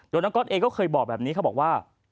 โดยน้องก๊อตเองก็เคยบอกแบบนี้เขาบอกว่า